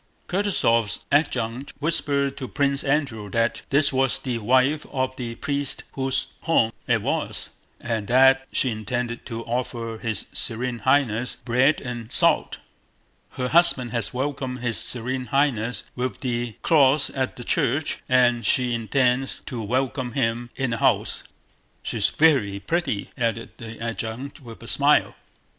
Kutúzov's adjutant whispered to Prince Andrew that this was the wife of the priest whose home it was, and that she intended to offer his Serene Highness bread and salt. "Her husband has welcomed his Serene Highness with the cross at the church, and she intends to welcome him in the house.... She's very pretty," added the adjutant with a smile.